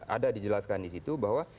ada dijelaskan di situ bahwa